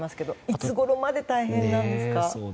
いつごろまで大変なんですか？